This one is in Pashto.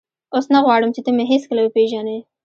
اوس نه غواړم چې ته مې هېڅکله وپېژنې.